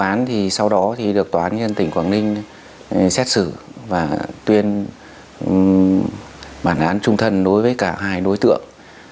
án thì sau đó thì được tòa án nhân tỉnh quảng ninh xét xử và tuyên bản án trung thân đối với cả hai đối tượng